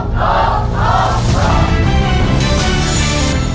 โปรดติดตามตอนต่อไป